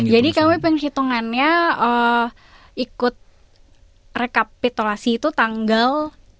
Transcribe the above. jadi kami penghitungannya ikut rekapitulasi itu tanggal tujuh belas